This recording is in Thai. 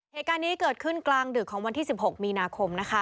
เหตุการณ์นี้เกิดขึ้นกลางดึกของวันที่๑๖มีนาคมนะคะ